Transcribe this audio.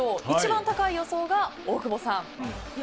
一番高い予想が大久保さん。